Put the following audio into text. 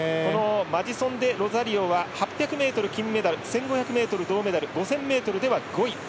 マジソン・デロザリオは８００ｍ、金メダル１５００ｍ、銅メダル５０００ｍでは５位。